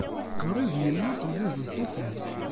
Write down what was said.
Qrib yemmut ula d lṭufan.